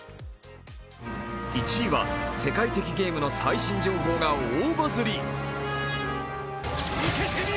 １位は、世界的ゲームの最新情報が大バズり。